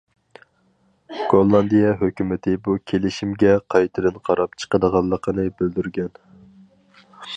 گوللاندىيە ھۆكۈمىتى بۇ كېلىشىمگە قايتىدىن قاراپ چىقىدىغانلىقىنى بىلدۈرگەن.